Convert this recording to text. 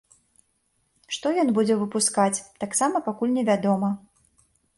Што ён будзе выпускаць, таксама пакуль не вядома.